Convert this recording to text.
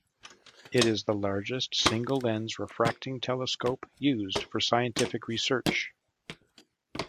It is the largest single lens refracting telescope used for scientific research.